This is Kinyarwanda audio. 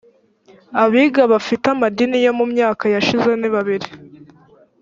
abiga bafite amadeni yo mu myaka yashize ni babiri